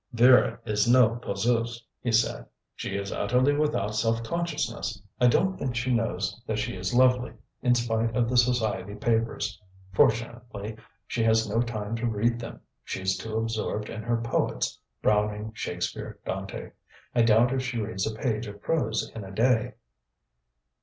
"Vera is no poseuse," he said. "She is utterly without self consciousness. I don't think she knows that she is lovely, in spite of the Society papers. Fortunately she has no time to read them. She is too absorbed in her poets Browning, Shakespeare, Dante. I doubt if she reads a page of prose in a day."